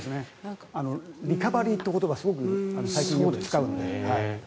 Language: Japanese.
リカバリーって言葉すごく最近よく使うので。